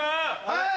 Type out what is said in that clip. はい！